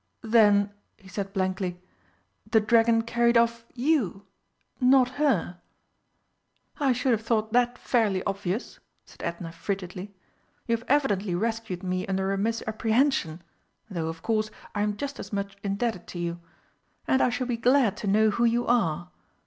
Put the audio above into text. "Then," he said blankly, "the dragon carried off you not her?" "I should have thought that fairly obvious," said Edna frigidly. "You have evidently rescued me under a misapprehension, though, of course, I am just as much indebted to you. And I shall be glad to know who you are.